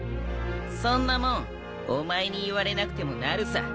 そんなもんお前に言われなくてもなるさ。